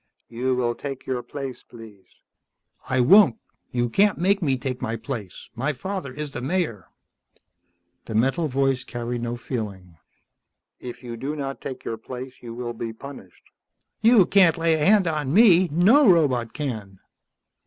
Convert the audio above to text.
"You will take your place, please." "I won't. You can't make me take my place. My father is the Mayor." The metal voice carried no feeling. "If you do not take your place you will be punished." "You can't lay a hand on me. No robot can."